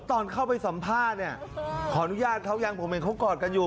ตอนเข้าไปสัมภาษณ์เนี่ยขออนุญาตเขายังผมเห็นเขากอดกันอยู่